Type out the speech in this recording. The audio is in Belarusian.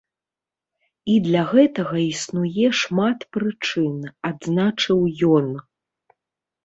І для гэтага існуе шмат прычын, адзначыў ён.